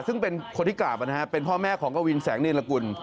ซึ่งเป็นคนที่กราบนะฮะเป็นพ่อแม่ของกวินแสงเนรกุล